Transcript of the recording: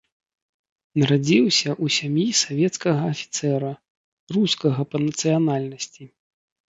Нарадзіўся ў сям'і савецкага афіцэра, рускага па нацыянальнасці.